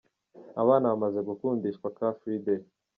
Abana bamaze gukundishwa Car Free Day .